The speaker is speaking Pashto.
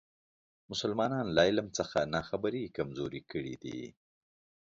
مسلمانان له علم څخه ناخبري کمزوري کړي دي.